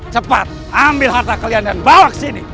cepat ambil harta kalian dan bawa ke sini